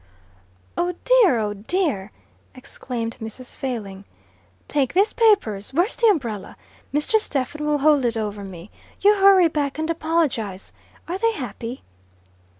"Oh dear, oh dear!" exclaimed Mrs. Failing. "Take these papers. Where's the umbrella? Mr. Stephen will hold it over me. You hurry back and apologize. Are they happy?"